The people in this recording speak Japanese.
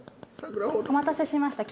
お待たせしました。